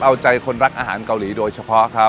เอาใจคนรักอาหารเกาหลีโดยเฉพาะครับ